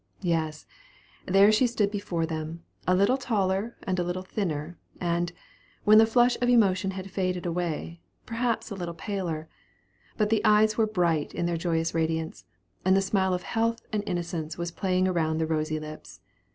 Yes, there she stood before them, a little taller and a little thinner, and, when the flush of emotion had faded away, perhaps a little paler; but the eyes were bright in their joyous radiance, and the smile of health and innocence was playing around the rosy lips.